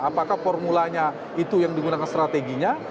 apakah formulanya itu yang digunakan strateginya